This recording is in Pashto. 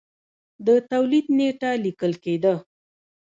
د تولید نېټه لیکل کېده.